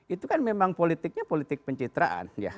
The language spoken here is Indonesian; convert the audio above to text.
itu kan memang politiknya politik pencitraan